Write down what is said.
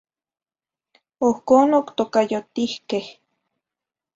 Ohcon octocayotihqueh